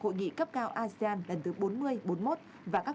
hội nghị cấp cao asean lần thứ bốn mươi bốn mươi một và các hội nghị cấp cao liên quan